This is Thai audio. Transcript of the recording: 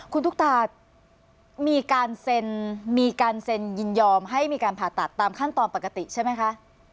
คุณตุ๊กตามีการเซ็นยินยอมให้มีการผ่าตัดตามขั้นตอนปกติใช่ไหมคะ